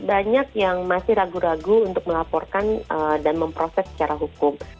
banyak yang masih ragu ragu untuk melaporkan dan memproses secara hukum